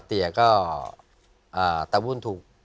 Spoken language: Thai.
เตี๋ยก็ตะวุ่นถูก